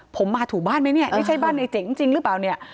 ผมมาถูกบ้านไหมเนี่ยนี่ใช่บ้านในเจ๋งจริงหรือเปล่าเนี่ย